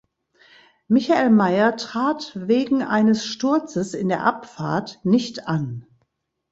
Michael Mair trat wegen eines Sturzes in der Abfahrt nicht an.